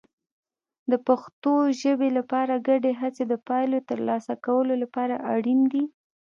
د پښتو ژبې لپاره ګډې هڅې د پایلو ترلاسه کولو لپاره اړین دي.